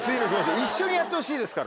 「一緒にやってほしい」ですから。